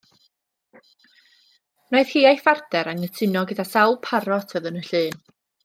Wnaeth hi a'i phartner anghytuno gyda sawl parot oedd yn y llun